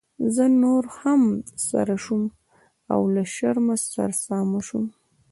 زه نوره هم سره شوم او له شرمه سرسامه شوم.